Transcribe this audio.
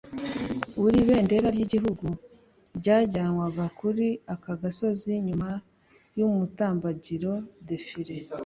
Buri bendera ry'igihugu ryajyanwaga kuri aka gasozi nyuma y'umutambagiro(defile)